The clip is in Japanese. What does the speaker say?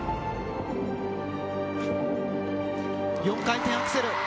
４回転アクセル。